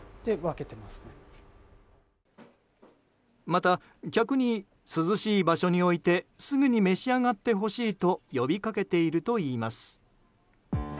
また、客に涼しい場所に置いてすぐに召し上がってほしいと呼びかけているといいます。